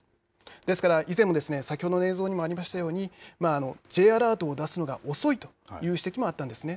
ですから以前もですね先ほどの映像にもありましたようにＪアラートを出すのが遅いという指摘もあったんですね。